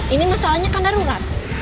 ini masalahnya kan darurat